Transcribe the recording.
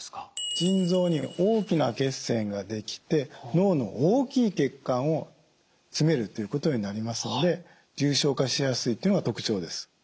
腎臓に大きな血栓ができて脳の大きい血管を詰めるということになりますので重症化しやすいというのが特徴です。